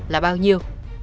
là bao nhiêu